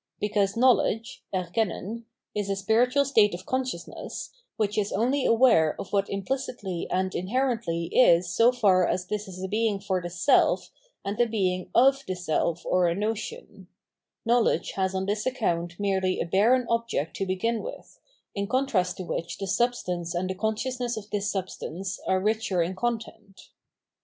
Because knowledge (ErJcennen) is a spiritual state of consciousness, which is only aware of what implicitly and iuherently is so far as this is a being for the self and a being of the self or a notion knowledge has on this account merely a barren object to begin with, in contrast to which the substance and the consciousness of this substance are richer in content.